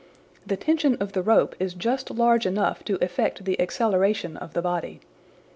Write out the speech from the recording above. The tension of the rope is just large enough to effect the acceleration of the body.